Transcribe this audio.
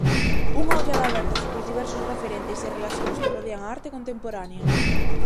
Unha ollada aberta sobre os diversos referentes e relacións que rodean a arte contemporánea.